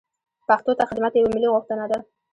پښتو ته خدمت یوه ملي غوښتنه ده.